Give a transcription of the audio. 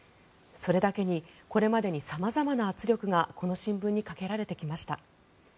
それだけに、これまでに様々な圧力がこの新聞にかけられてきました。